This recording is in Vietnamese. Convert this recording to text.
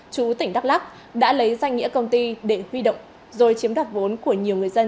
chú tỉnh đắk lắc đã lấy danh nghĩa công ty để huy động rồi chiếm đặt vốn của nhiều người dân